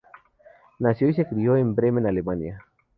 Nació y se crio en Bremen, Alemania.